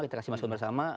kita kasih masukan bersama